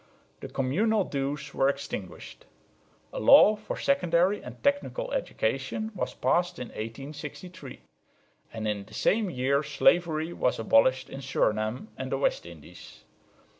The communal dues were extinguished. A law for secondary and technical education was passed in 1863; and in the same year slavery was abolished in Surinam and the West Indies.